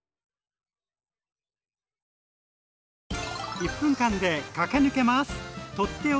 １分間で駆け抜けます！